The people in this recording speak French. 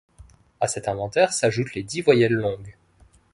À cet inventaire s'ajoutent les dix voyelles longues.